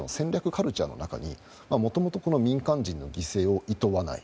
カルチャーの中にもともと民間人の犠牲をいとわない。